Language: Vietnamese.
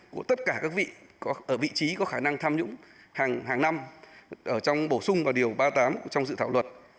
của tất cả các vị ở vị trí có khả năng tham nhũng hàng năm ở trong bổ sung và điều ba mươi tám trong dự thảo luật